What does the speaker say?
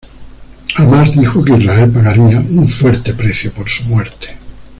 Hamás dijo que Israel pagaría un "fuerte precio" por su muerte.